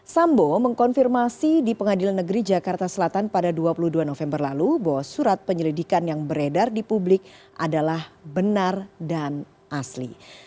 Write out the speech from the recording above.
sambo mengkonfirmasi di pengadilan negeri jakarta selatan pada dua puluh dua november lalu bahwa surat penyelidikan yang beredar di publik adalah benar dan asli